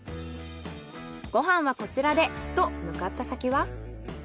ご飯はこちらでと向かった先は。